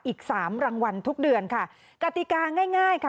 อีกสามรางวัลทุกเดือนค่ะกติกาง่ายง่ายค่ะ